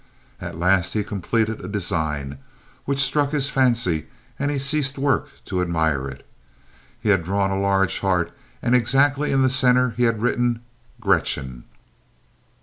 At last he completed a design which struck his fancy and he ceased work to admire it. He had drawn a large heart and exactly in the center he had written "Gretchen."